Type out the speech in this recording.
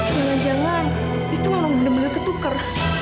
jangan jangan itu emang bener bener ketukar